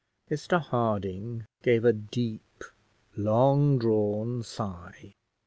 Mr Harding gave a deep, long drawn sigh.